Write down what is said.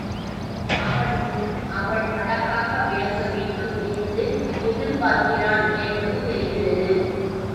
அவன் முன் அவள் அழகாக விளங்க வேண்டும் என்று எதிர்பார்க்கிறான் என்பது தெரிகிறது.